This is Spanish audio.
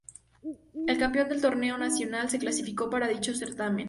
El campeón del torneo nacional se clasificó para dicho certamen.